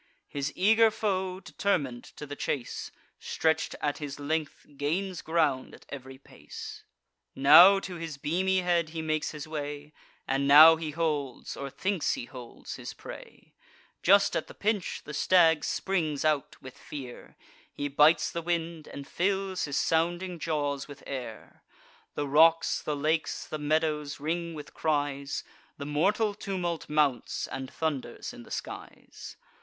His eager foe, determin'd to the chase, Stretch'd at his length, gains ground at ev'ry pace; Now to his beamy head he makes his way, And now he holds, or thinks he holds, his prey: Just at the pinch, the stag springs out with fear; He bites the wind, and fills his sounding jaws with air: The rocks, the lakes, the meadows ring with cries; The mortal tumult mounts, and thunders in the skies.